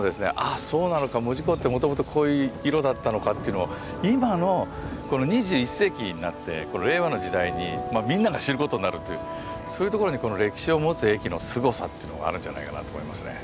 「あそうなのか門司港ってもともとこういう色だったのか」というのを今のこの２１世紀になって令和の時代にみんなが知ることになるというそういうところに歴史を持つ駅のすごさというのがあるんじゃないかなと思いますね。